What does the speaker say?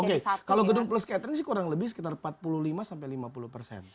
oke kalau gedung plus catering sih kurang lebih sekitar empat puluh lima sampai lima puluh persen